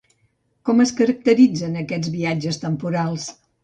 Com es caracteritzen aquests viatges temporals?